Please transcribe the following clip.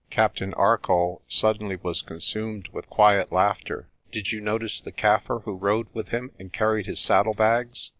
Captain Arcoll suddenly was consumed with quiet laughter. "Did you notice the Kaffir who rode with him and carried his saddlebags?